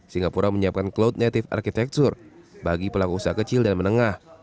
singapura menyiapkan cloud native arkitektur bagi pelaku usaha kecil dan menengah